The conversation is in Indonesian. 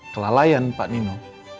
kelalaian pak nino